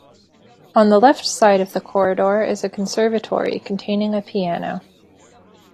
On the left side of the Corridor is a Conservatory containing a piano.